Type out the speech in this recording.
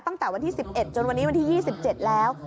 จากวันที่๑๑จนวันนี้วันที่๒๗แล้ว